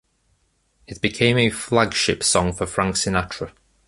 It became a flagship song for Frank Sinatra.